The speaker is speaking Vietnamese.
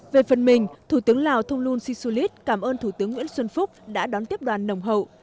về phần mình thủ tướng lào thông luân si su lít cảm ơn thủ tướng nguyễn xuân phúc đã đón tiếp đoàn nồng hậu